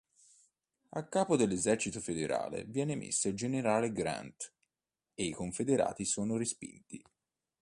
A capo dell'esercito federale viene messo il generale Grant e i confederati sono respinti.